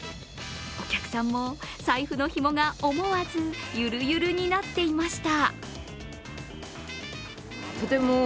お客さんも財布のひもが思わずゆるゆるになっていました。